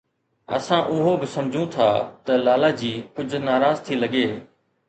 اسان اهو به سمجهون ٿا ته لالاجي ڪجهه ناراض ٿي لڳي